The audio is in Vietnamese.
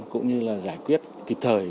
cũng như là giải quyết kịp thời